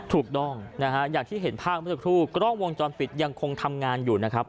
ถูกต้องนะฮะอย่างที่เห็นภาพเมื่อสักครู่กล้องวงจรปิดยังคงทำงานอยู่นะครับ